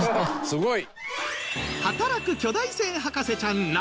すごい。